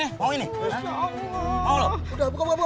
eh banyak omong ya